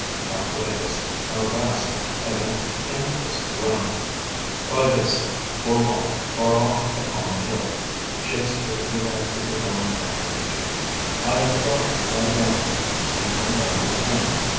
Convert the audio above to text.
Our bravest, our best, have an impulse to run. "By this, poor Wat far off upon a hill." Shakespeare would have the divine comprehension. I have thought all round it and come back to him.